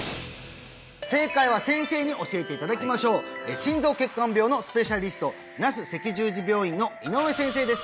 正解は先生に教えていただきましょう心臓血管病のスペシャリスト那須赤十字病院の井上先生です